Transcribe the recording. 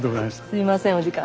すいませんお時間。